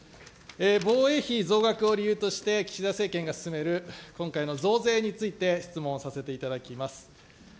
防衛費増額を理由として、岸田政権が進める今回の増税について質問させていただきます。